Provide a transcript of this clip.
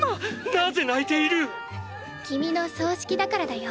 なぜ泣いている⁉君の葬式だからだよ。